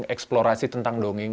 eksplorasi tentang dongeng